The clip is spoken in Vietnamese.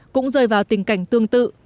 cũng rơi vào tình cảnh tương tự